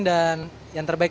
dan yang terbaik